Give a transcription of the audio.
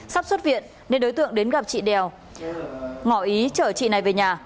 sắp xuất viện nên đối tượng đến gặp chị đèo ngỏ ý chở chị này về nhà